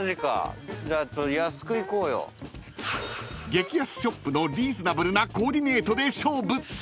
［激安ショップのリーズナブルなコーディネートで勝負］